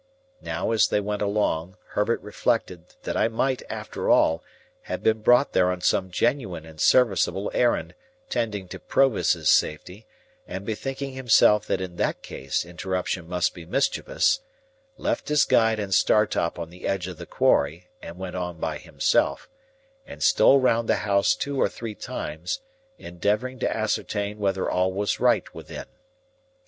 Now, as they went along, Herbert reflected, that I might, after all, have been brought there on some genuine and serviceable errand tending to Provis's safety, and, bethinking himself that in that case interruption must be mischievous, left his guide and Startop on the edge of the quarry, and went on by himself, and stole round the house two or three times, endeavouring to ascertain whether all was right within.